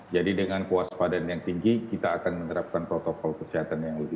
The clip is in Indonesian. jadi dengan kuas padaan yang tinggi kita akan menerapkan protokol kesehatan yang lebih baik